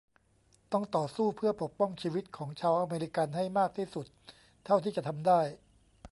ต้องต่อสู้เพื่อปกป้องชีวิตของชาวอเมริกันให้มากที่สุดเท่าที่จะทำได้